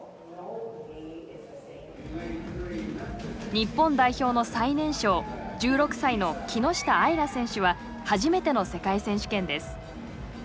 日本代表の最年少１６歳の木下あいら選手は初めての世界選手権です。